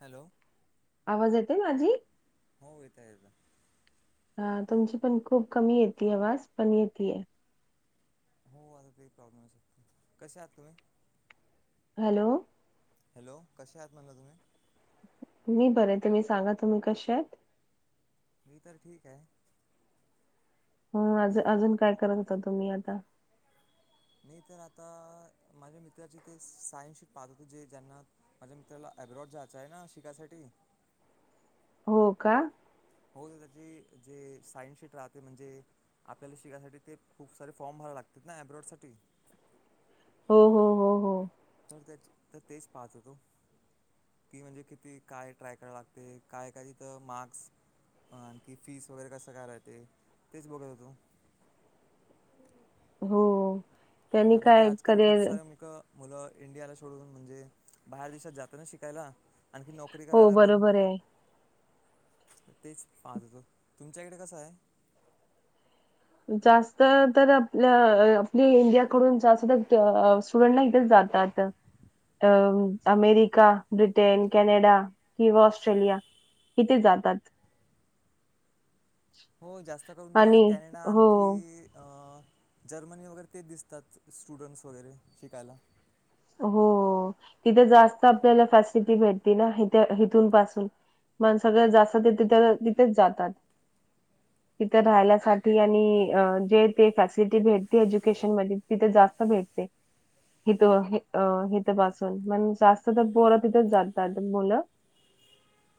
Hello आवाज य ते माझी हो यता येत हा तुमची पण खूप कमी येत आवाज पण येतय हो आ ते प्रॉब्लेम शकत कसे आहात तुम्ही हॅलो हॅलो कसे आहेत म्हणल तुम्ही मी बरं ते मी सांगा तुम्ही कसे आहेत मी तले ठीक आहे होज अजून काय करत होता तुम्ही आता नाही तर आता माझ्या मित्राची ते सायन्स शट पाहत होत जे ज्यांना माझ्या मित्राला अब्रॉड जायचं आहे ना शिकायसाठी हो का हो त्या जे सायन्स शीट राहते म्हणजे आपल्याला शिकायसाठी ते खूप सारे फॉर्म भरावे लागत ना ब्रॉड साठी हो हो हो हो तर तेच पाहत होतो कि म्हणजे किती काय ट्राय करायला लागते काय काय तर मार्क्स आणखी फीस वगैरे कसं काय राहते तेच बघत होतो हो त्यांनी कारण की काय आजकाल खूप करिअर सारे मुक मुलं इंडियाला सोडून म्हणजे बाहेर देशात जातं ना शिकायला आणखी नोकरी हो करायला पण बरोबर आहे तेच पाहत होत तुमच्याकडे कसं आहे जास्त तर आपल्या आ-अ आपली इंडियाकडून जास्त अं तर स्टुडंटला इथेच जातात अ अमेरिका ब्रिटेन कॅनडा किंवा ऑस्ट्रेलिया इथेच जातात हो जास्त करून तर मला आणि कॅनेडा आणखी हो अ जर्मनी वगैरे ते दिसतात स्टुडंट्स वगैरे शिकायला हो तिथे जास्त आपल्याला फॅसिलिटी भेटते ना हिथ इथून पासून मण सगळ जास्त तिथेच जातात तिथे राहल्यासाठी आणि जे फॅसिलिटी भेटते एज्युकेशन म तिथे जास्त भेटते अ इथपासून मण जास्त तर पोर तिथेच जातात मुलं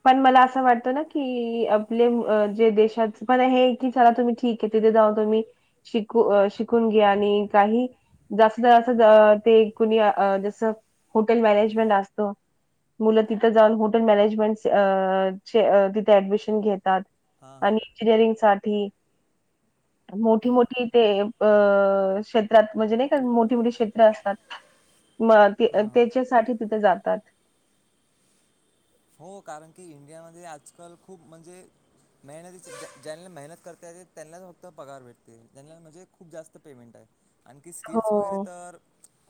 पण मला असं वाटतं ना की आपले जे देशात पण हे की चला तुम्ही ठीक आहे तिथे जाऊन तुम्ही शिकू शिकून घ्या आणि काही जास्त जास्त ते कुणी जसं हॉटेल मॅनेजमेंट असतं मुलं तिथं जाऊन हॉटेल मॅनेजमेंट च-आं-आतिथे ऍडमिशन घेतात हां आणि हां इंजिनिअरिंग सा मोठी मोठी ते अ क्षेत्रात म्हणजे नाही का मोठी मोठी क्षेत्र असतात म ते हां हां त्याच्यासाठी तिथे जातात हो कारण की इंडियामध्ये आजकाल खूप म्हणजे मेहनती ज्यांला मेहनत करते त्यांना फक्त पगार भेटते ज्यांला म्हणजे खूप जास्त पेमेंट आहे आणखी स्किल्स वगैरे हो. तर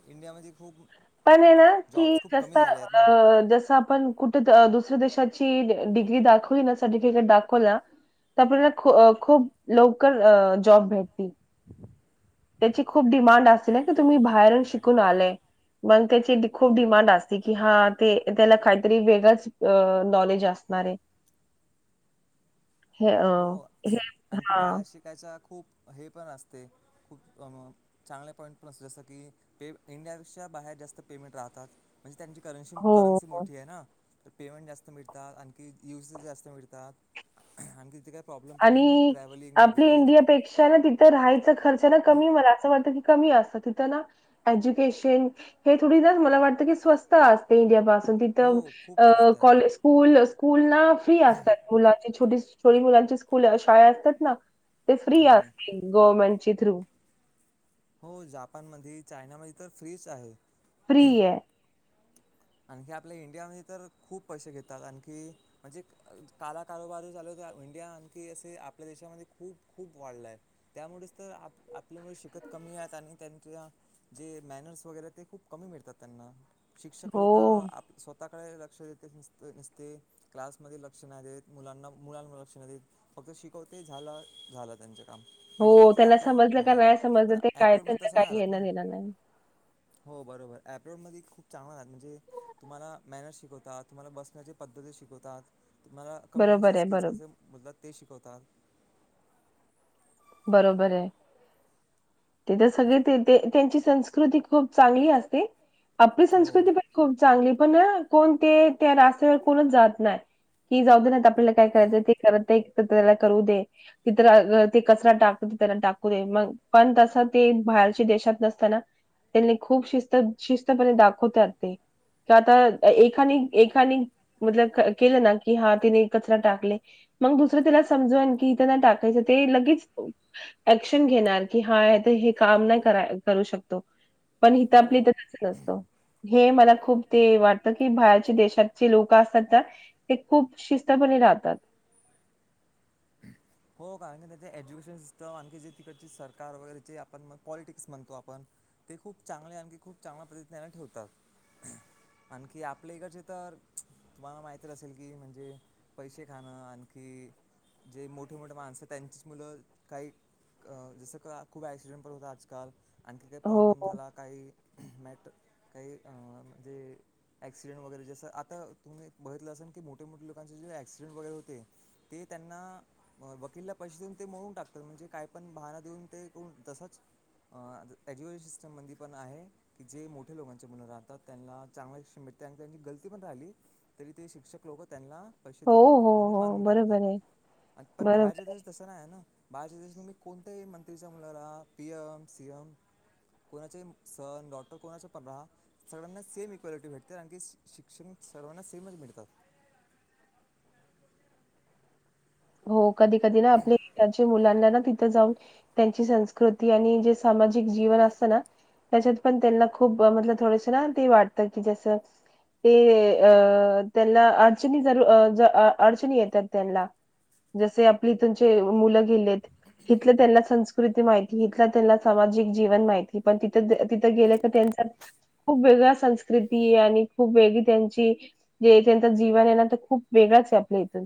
इंडियामध्ये खूप पण आहे ना की जॉब्स खूप जस कमी झाले आहेत ना जस आपण कुठ दुसऱ्या देशाची डिग्री दाखवली ना सर्टिफिकेट दाखव ना तर आपल्याला खूप लवकर जॉब भेटतील त्याची खूप डिमांड असते ना की तुम्ही बाहेरून शिकून आलय मग त्याची खूप डिमांड असते कि हा ते त्याला काहीतरी वेगळंच नॉलेज असणार आहे हे अ हो हे आणखी हा बाहेर शिकायचा खूप हे पण असते खूप चांगले पॉईंट पण असते जसं की पे इंडियापेक्षा बाहेर जास्त पेमेंट राहतात म्हणजे त्यांची करन्सी हो, करन्सी हो. मोठी आहे ना तर पेमेंट जास्त मिळतात आणखी युज जास्त मिळतात आणखी तिथे काही प्रॉब्लेम पण नाही राहत आणि ट्रॅव्हलिंग आपली वगैरे इंडियापेक्षा ना तिथं राहायचा खर्च कमी अस वाटत क कमी असतं तिथं ना एज्युकेशन हे थोडी ना मला वाटत की स्वस्त असते इंडिया हो तिथं खूप अं स्वस्त आहे स्कूल स्कूल ना फ्री असतात मुलांचे छोटे स्कूल ोरी [inaudible] मुलांची स्कूल शाळा असतात ना ते फ्री हो असते गवर्नमेंट चिथ्रू हो जापान मध्ये चायना मध्ये तर फ्रीच आहे फ्री आहे आणखी आपल्या इंडियामध्ये तर खूप पैसे घेतात आणखी म्हणजे काला कारोबार झाचाल तर इंडिया आणखी असे आपल्या देशामध्ये खूप खूप वाढलाय त्यामुळेच तर आप आपल्यावर शिकत कमी आहेतत आणि त्यां जे मॅनर्स वगैरे ते खूप कमी मिळतात त्यांना लो का हो, स्वतः कडे लक्ष देते निसत नसते क्लासमध्ये लक्ष नाही देत मुलांना मुलांमध्ये लक्ष नाही देत फक्त शिकवते झालं झालं त्यांच्या हो त्यांना समजलं का नाही पण समजलं ते काय ॲब्रॉडमध्ये त्यांना तसं नाही काही राहत घेण ना येणार नाही हो बरोबर ऍपलोड मध्ये खूप चांगला तुम्हाला मेहनत शिकवतात तुम्हाला बसण्याची पद्धती शिकवतात मला कम्युनिकेशन बरोबर आहे, स्किल्स बरो कसे बदतात ते शिकवतात बरोबर आहे तिथे सगळे ते त्यांची संस्कृती खूप चांगली असते आपली हो संस्कृती पण खूप चांगली पण हा कोण ते त्या रस्त्यावर कोणच जात नाही कि जाऊ दे नाही आपल्याला काय करायचं ते करत आहे तर त्याला करू दे तथ ते कचरा टाक त्याना टाकू दे मग पण तस ते बाहेरच्या देशात नसताना त्यानी खूप शिस्त शिस्तपणे दाखवतात ते कि आता एखा एखा म केलं ना की हा तिने कचरा टाकले मग दुसरं त्याला समजवान की त्यांना टाकायचं ते ल क्शन घेणार की हा तर हे काम नाही करू शकतो [unintelligible] पण हि तर हो आपली तरच हे मला खूप ते वाटत की बाहेरचे देशातचे लोक असतात ना ते खूप शिस्तपणे राहतात कारी त्या एज्युकेशन सिस्टम आणखी जे तिकडचे सरकार वगैरे जे आपण पॉलिटिक्स म्हणतो आपण ते खूप चांगले आणखी खूप चांगल्या प्रतिज्ञ ठेवतात आणखी आपल्या इकडचे तर तुम्हाला माहीत असेल की म्हणजे पैसे खाणं आणखी जे मोठ मोठे मोठे माणसं त्यांचीच मुलं काही अ जसं का खूप ऍक्सिडेंट पण होत आजकाल आणखी काही हो, प्रॉब्लेम हो. झाला काही नाही तर काहीं म्हणजे ऍक्सिडेंट वगैरे जसं आता तुम्ही बघितलं असेल की मोठे मोठे लोकांचे जे ऍक्सिडेंट वगैरे होते ते त्यांना वकीलला पैसे देऊन ते मोडून टाकतात म्हणजे काही पण बहना देऊन ते तसाच अ एज्युकेश सिस्टीम मध्ये पणआहे की जे मोठे लोकांचे मुलं राहतात त्यांना चांगला त्यांची त्यांची गलती पण राहिल तरी ते शिक्षक लोक त्यांना पैसे हो, देऊन हो, म्हणजे हो. मारून बरोबर आहे. टाकतात पण बरोबर. बाहेरचे देश तसं नाही आहे ना. बाहेच्या देश मी कोणत्याही मंत्रीच्या मुलाला पी एम सी एम कोणाचे सण डॉक्टर कोणाच्या प राहा सगळ्यांना सेम इक्वेलिटी भेटते कारण की शिक्षण सर्वांना सेमच मिळतात. हो कधी कधी ना आपल्या मुलांना ना तिथं जाऊन त्यांची संस्कृती आणि जे सामाजिक जीवन असतं ना त्याच्यात पण त्यांना खूप मल थोडेस ना ते वाटत की जसं ते अ त्यांना अडचणी जरी अ अडचणी येतात. त्यांना जसे आपले इथून जे मुलं गेलेत हिथलं त्यांना संस्कृती माहिती हिथलं त्यांना सामाजिक जीवन माहिती पण तिथ तिथं गेले तर त्यांचा खूप वेगळ संस्कृती आणि खूप वेगळी त्यांची जे त्यांच जीवन आहे ना खूप वेगळाच आहे आपल्या इथून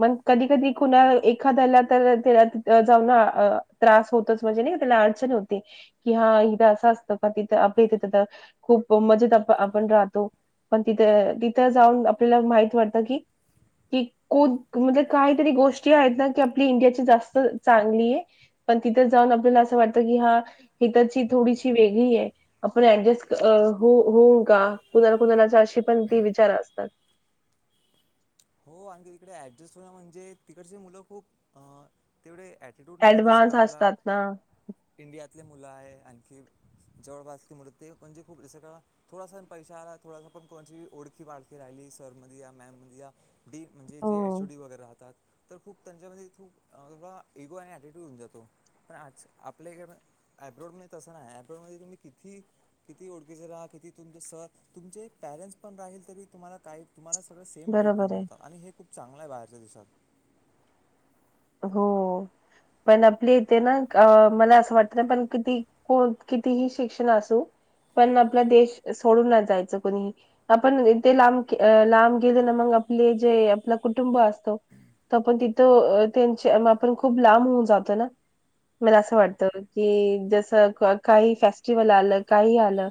मण कधी कधी कुणा एखाद्याला तर त्याला अ जाऊन अ त्रास होतोच म्हणजे नाही त्याला अडचण होते की अ हा इथे असं असतं का तिथं आपथ त खूप मजेत आपण राहतो पण तिथ तिथं जाऊन आपल्याला माहित वाटत की कि कोण म्हणजे काहीतरी गोष्टी आहेत ना की आपली इंडियाची जास्त चांगली आहे पण तिथं जाऊन आपल्याला असं वाटत कि हा इथची थोडीशी वेगळी आहे आपण ऍडजस्ट अ होऊ का कुणाला कुणाला अशी पण ते विचार असतात. हो आणखी तिकडे ऍडजेस्ट होण म्हणजे तिकडचे मुलं खूप अ तेवढे अटिट्यूड ना जस का ऍडव्हान्स आपला असतात ना इंडियात तिथेले मुलं आहे आणखी जवळपासती मुलं ते म्हणजे खूप जं क थोडासा पण पैश आला थोडासा पण कोणाची ओळखी पाळखी राहिली सर मनजे या मॅम मनजे या डी म्हणजे हो जे एच ओ डी वैगेरे राहतात. तर खूप त्यांच्यामध्ये खूप इगो आणि अटिट्यूड होऊन जातो पण आपल्याब्रड म तसं नाहीब्रड मध्ये तुम्ही कि किती ओळखीचे राहा किती तुम सर तुमचे पॅरेंट्स पण राहील तरी तुम्हाला काही तुम्हाला सगळ सेम ट्री. हे पण बरोबर आहे मिळत आणि हे खूप चांगल आहे बाहेर. जय सात हो पण आपले इथे ना अ मला असं वाटत पण किती कोण कितीही शिक्षण असू पण आपला देश सोडून नाही जायचं कोणीही आपण इथे लांब लांब गेले ना मग आपले जे आपलं कुटुंब असतो त आपण तिथं अ त्यांच्या आपण खूप लांब होऊन जातो ना मला असं वाटत की जसं काही फेस्टिवल आलं काही आलं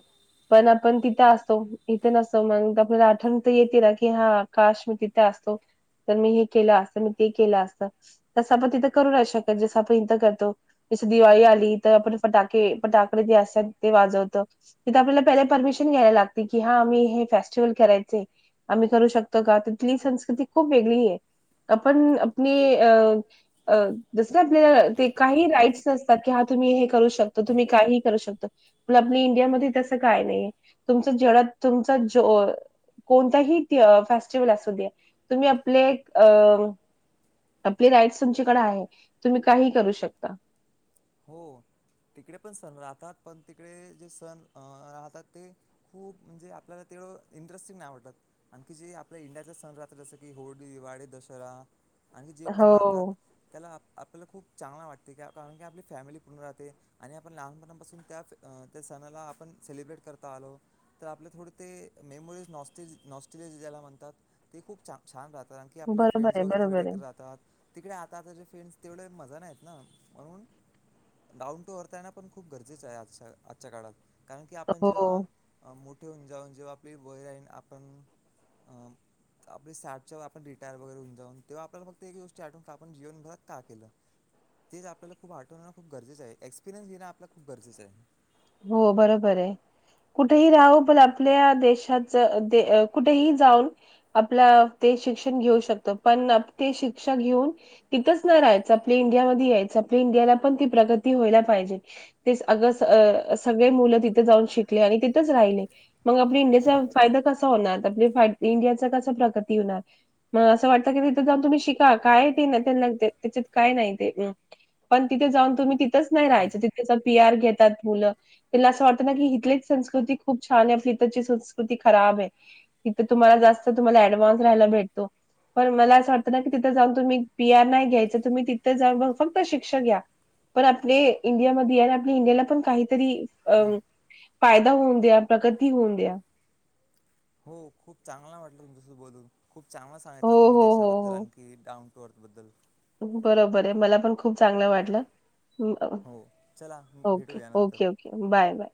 पण आपण तिथे असतो इथे नसतो मग आपल्याला आठवण तर येते ना की हा आकाश मी तिथे असतो तर मी हे केलं असतं मी ते केलं असतं. तस आपण तिथं करू नाहीक जस आपण इथं करतो जस दिवाळी आली तर आपण फटाके फटाकडे जे असतात ते वाजवतो तिथ आपल्याला पहिल्या परमिशन घ्यायला लागते की हा आम्ही हे फेस्टिवल करायचेय आम्ही करू शकतो का तिथली संस्कृती खूप वेगळी आहे आपण आपनी अ अ जसं आपले ते काही राइट्स असतात हा तुम्ही हे करू शकतात तुम्ही काही करू शकतात पण आपली इंडियामध्ये तसं काय नाही तुमचं जेवढा तुमचा कोणताही फेस्टिवल असू द्या तुम्ही आपले अ आपली राईट्स तुमच्याकडे आहे तुम्ही काही करू शकता. हो तिकडे पण सण राहतात पण तिकडे जे सण अ राहतात ते खूप म्हणजे आपल्याला ते इंटरेस्टिंग नाही वाटत आणखी जे आपल्या इंडिया सण राहतात जस की होळी दिवाळी दशरा आणि जे पण राहतात हो, त्याला आप आप आपल्याला खूप चांगला वाटते कारण की आपले. फॅमिली पुूर्ण राहते आणि आपण लहानपणापासून त्या त्या सणाला आपण सेलिब्रेट करता आलो तर आपलं थोडं ते मेमोरीज नॉस्टेल नॉस्टेलिया जे ज्याला म्हणतात ते खूप छान राहत. कारण की आपले बरोबर फ्रेंड्स आहे, वगैरे सगळे बरोबर आहे. इकडे [unintelligible] राहतात. तिकडे आता आता ज फ्रेंड्स तेवढे मजा नाहीत ना म्हणून डाऊन टू अर्थ आहे ना पण खूप गरजेचं आहे आजच्या आजच्या काळात कारण की आपण हो, जेव्हा मो ेऊन जाऊन जेव्हा आपली वर रा आपण आप सा आप रिटायर वगैरेऊन जाऊन तेव्हा आपल्याला फक्त एक गोष्ट आठव आपण जीवनभरात का केलं तेच आपल्याला खूप आठव खूप गरजेच आहे एक्सपिरियनस घेण आपला खू गरजेचं आहे. हो बरोबर आहे कुठेही राहू पण आपल्या देशातच कुठेही जाऊन आपलं ते शिक्षण घेऊ शकतो पण ते शिक्षा घेऊन तिथंच न राहायच आपल्या इंडियामध्ये यायच आपल्या इंडियाला पण ती प्रगती व्हायला पाहिजे ते अग- सगळे मुलं तिथे जाऊन शिकले आणि तिथंच राहिले मग आपल्या इंडियाचा फायदा कसा होणार आपल्याा [unintelligible] इंडियाचा कसा प्रगती होणार मग असं वाटत की तिथे जाऊन तुम्ही शिका काय ते त्यां त्याच्यात [unintelligible] काय नाही ते पण तिथे जाऊन तुम्ही तिथंच नाही राहायच तिथे पी आर घेतात मुलं. ला असं वाटत ना की इथलीच संस्कृती खूप छान आहे आपली इथची संस्कृती खराब आहे तिथ तुम्हाला जास्त तुम्हाला ऍडव्हान्स राहायला भेटतो पण मला असं वाटतं ना कि तिथ जाऊन तुम्ही पी आर नाही घ्यायच तुम्ही तिथे जान फक्त शिक्षक घ्या पण आप इंडिया म आप इंडियाला पण काही तरी अं फायदा होऊन द्या प्रगती होऊन द्या. हो खूप चांगला वाटलं तुमच्यांसध बोलून खूप चांग हो सांगितलं तुम्ही हो हो देशाद्द आणखी डाउ अर्थ बद्दल बरोबर आहे मला पण खूप चांगलं वाटलं. हो चला ओके भेटूया नंतर ओके ओके बाय बाय